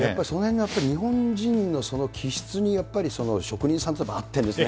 やっぱり日本人のその気質に、職人さんって合ってるんですね。